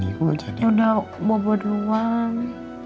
udah bobot doang